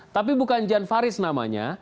tapi bukan jan faris namanya